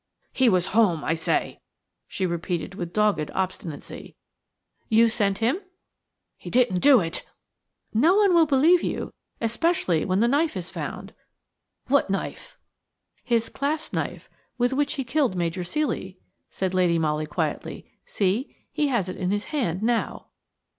"He was home, I say," she repeated with dogged obstinacy. "You sent him?" "He didn't do it–" "No one will believe you, especially when the knife is found." "What knife?" "His clasp knife, with which he killed Major Ceely," said Lady Molly, quietly; "see, he has it in his hand now."